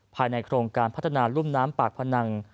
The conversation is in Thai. ภายในโครงการพัฒนารุ่มน้ำปากพนัง